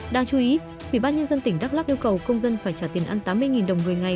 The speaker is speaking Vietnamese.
đáng chú ý ủy ban nhân dân tỉnh đắk lắk yêu cầu công dân phải trả tiền ăn tám mươi đồng người ngày